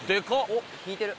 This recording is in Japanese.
おっ引いてる。